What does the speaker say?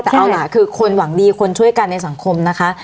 แต่เอาล่ะคือคนหวังดีคนช่วยกันในสังคมนะคะ